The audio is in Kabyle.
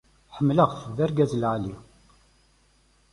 Ḥemmleɣ-t, d argaz lεali.